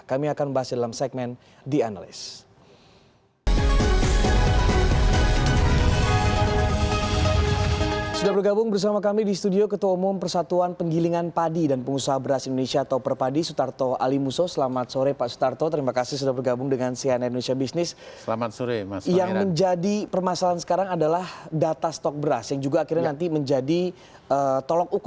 kami akan membahasnya dalam segmen the analyst